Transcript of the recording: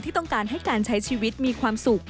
ต้องการให้การใช้ชีวิตมีความสุข